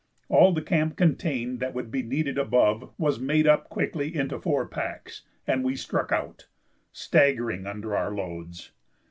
All the camp contained that would be needed above was made up quickly into four packs, and we struck out, staggering under our loads.